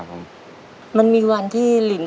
จังกันตัวแต่ว่ามันมีคงอยู่ด้วยอะ